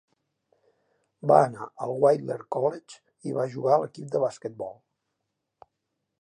Va anar al Whittier College i va jugar a l'equip de basquetbol.